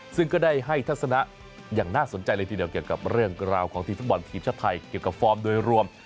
ซึ่งก็ได้ให้ทัศนะอย่างน่าสนใจเลยทีเดียวเกี่ยวกับเรื่องราวของทีมฟุตบอลทีมชาติไทยเกี่ยวกับฟอร์มโดยรวม